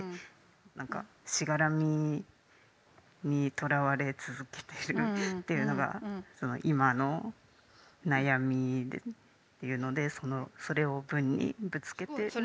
何かしがらみにとらわれ続けてるというのが今の悩みというのでそれを文にぶつけてみました。